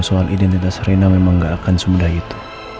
soal identitas rina memang gak akan semudah itu